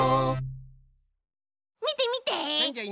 みてみて！